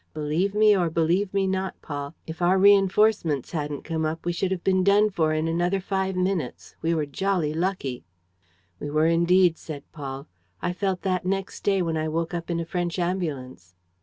Believe me or believe me not, Paul, if our reinforcements hadn't come up, we should have been done for in another five minutes. We were jolly lucky!" "We were indeed," said Paul. "I felt that next day, when I woke up in a French ambulance!"